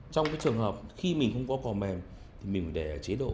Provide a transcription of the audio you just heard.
trong trường hợp khi mình không có cò mềm thì mình phải để chế độ là chụp tự động